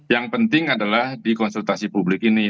yang penting adalah di konsultasi publik ini